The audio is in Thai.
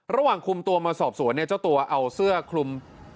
ระหว่างคุมตัวมาสอบสวนเนี่ยเจ้าตัวเอาเสื้อคลุม